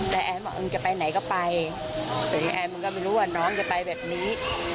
แล้วแอมก็บอกจะไปไหนก็ไปแต่แอมก็ไม่รู้ว่าน้องจะไปแบบนี้